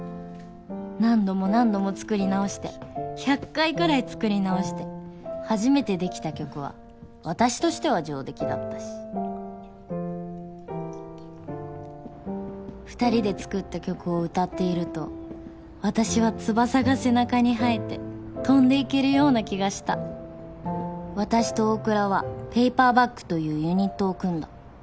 何度も何度も作り直して１００回くらい作り直して初めて出来た曲は私としては上出来だったし２人で作った曲を歌っていると私は翼が背中に生えて飛んでいけるような気がした私と大倉はペイパーバックというユニットを組んだ。